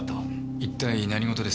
一体何事です？